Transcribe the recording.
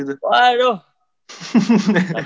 mantep tuh keluar ragunan langsung macet tuh pas itu